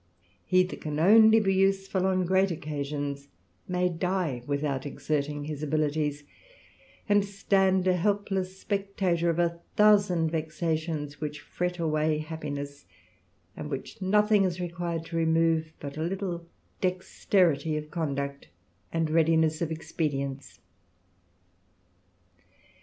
He that can only be useful ^n great occasions, may die without exerting his abilities, ^nd stand a helpless spectator of a thousand vexations ^Wch fret away happiness, and which nothing is required ^^ remove but a little dexterity of conduct and readiness ^^ expedients.